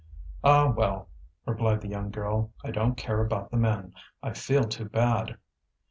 "Ah, well!" replied the young girl. "I don't care about the men! I feel too bad."